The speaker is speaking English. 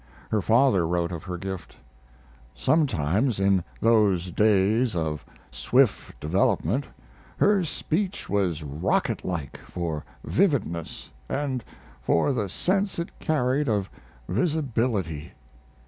Her father wrote of her gift: Sometimes in those days of swift development her speech was rocket like for vividness and for the sense it carried of visibility.